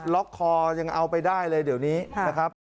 ล็อกคอยังเอาไปได้เลยเดี๋ยวนี้นะครับ